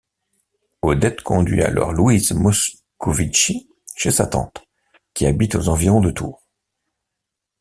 Odette conduit alors Louise Moscovici chez sa tante, qui habite aux environs de Tours.